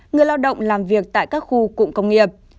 người lao động làm việc tại các khu cụm công nghiệp